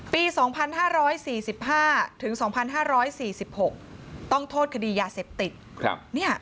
ปี๒๕๔๕๒๕๔๖ต้องโทษคดียาเสพติด